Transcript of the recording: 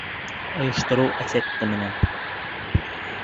Ойоштороу эффекты менән!